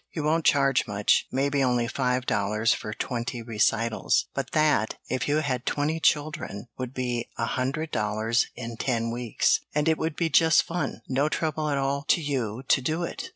You won't charge much maybe only five dollars for twenty recitals, but that, if you had twenty children, would be a hundred dollars in ten weeks, and it would be just fun no trouble at all to you to do it."